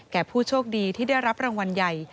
ผู้โชคดีที่ได้รับรางวัลใหญ่